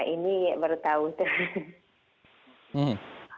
ini baru tahu